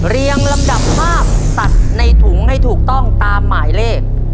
เรียงลำดับภาพตัดในถุงให้ถูกต้องตามหมายเลข